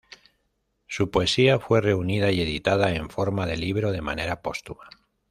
Su poesía fue reunida y editada en forma de libro de manera póstuma.